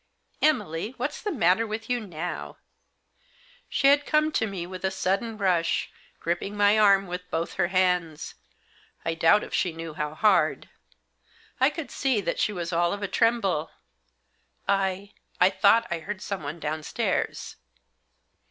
Emily, what's the matter with you now ?" She had come to me with a sudden rush, gripping my arm with both her hands — I doubt if she knew how hard. I could see that she was all of a tremble. " I — I thought I heard someone downstairs."